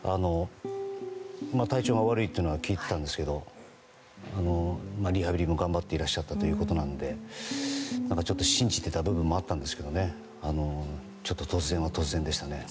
体調が悪いというのは聞いていたんですがリハビリも頑張っていらっしゃったということなのでちょっと信じていた部分もあったんですけどちょっと突然でしたね。